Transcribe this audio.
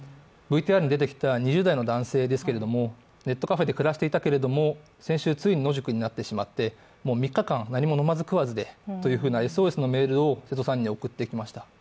ＶＴＲに出てきた２０代の男性ですけれども、ネットカフェで暮らしていたけれども、先週ついに野宿になってしまってもう３日間、何も飲まず食わずでといったＳＯＳのメールを瀬戸さんに送ってきました。